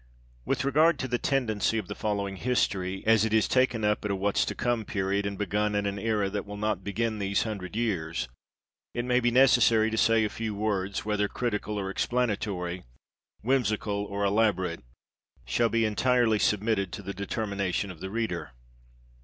With regard to the tendency of the following history, as it is taken up at a what's to come period, and begun at an sera that will not begin these hundred years, it may be necessary to say a few words, whether critical or explanatory, whimsical or elaborate, shall be entirely submitted to the determination of the reader.